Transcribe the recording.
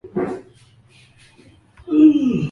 lakini serikali ilipinga kabisa ikasema haita